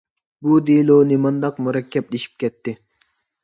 بۇ دېلو نېمانداق مۇرەككەپلىشىپ كەتتى!